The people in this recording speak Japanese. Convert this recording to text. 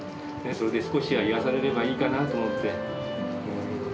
それで少しは癒やされればいいかなと思って。